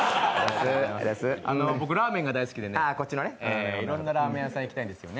僕、ラーメンが大好きでね、いろんなラーメン屋さん行きたいんですよね。